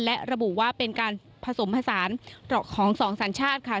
และระบุว่าเป็นการผสมผสานของสองสัญชาติค่ะ